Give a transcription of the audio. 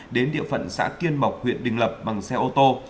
đến địa phận xã kiên mộc huyện đình lập bằng xe ô tô